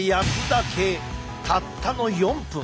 たったの４分！